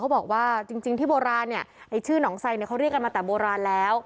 เขาบอกว่าจริงที่โบราณเลยชื่นน้องไสักเขาเรียกกันมาแต่โบราณแล้ว